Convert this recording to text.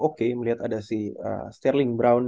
oke melihat ada si sterling brown